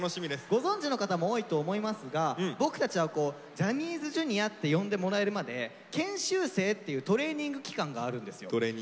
ご存じの方も多いと思いますが僕たちはジャニーズＪｒ．って呼んでもらえるまで研修生っていうトレーニング期間があるんですよ。